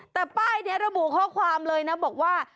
แต่ป้ายนี้ระบุข้อความเลยนะบอกว่า